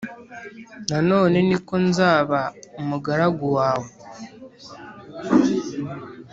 na none ni ko nzaba umugaragu wawe.’